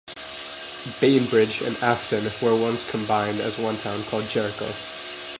Bainbridge and Afton were once combined as one town called Jericho.